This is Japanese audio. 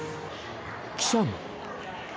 記者も。